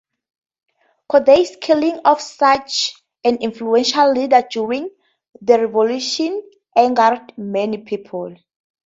Corday's killing of such an influential leader during the revolution angered many people.